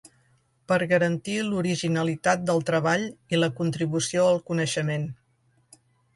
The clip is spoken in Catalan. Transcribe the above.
Per garantir l'originalitat del treball i la contribució al coneixement.